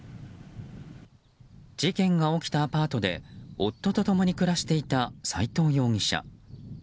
事件が起きたアパートで夫と共に暮らしていた斉藤容疑者。